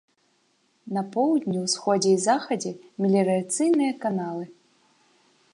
На поўдні, усходзе і захадзе меліярацыйныя каналы.